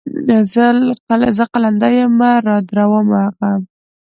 زه قلندر يمه رادرومه غمه